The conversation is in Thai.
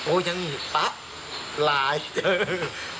โอ้ยังมีป๊ะหลายเจอ